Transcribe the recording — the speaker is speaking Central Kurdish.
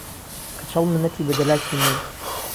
کەچەڵ منەتی بە دەلاکی نییە